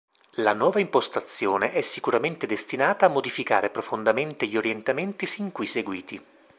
La nuova impostazione è sicuramente destinata a modificare profondamente gli orientamenti sin qui seguiti.